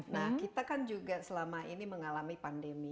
nah kita kan juga selama ini mengalami pandemi